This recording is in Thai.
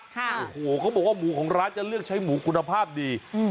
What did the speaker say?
โอ้โหเขาบอกว่าหมูของร้านจะเลือกใช้หมูคุณภาพดีอืม